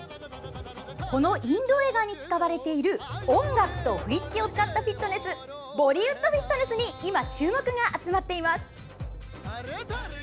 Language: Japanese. このインド映画に使われている音楽と振り付けを使ったフィットネスにボリウッドフィットネスに今、注目が集まっています。